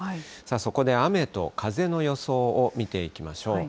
そこで雨と風の予想を見ていきましょう。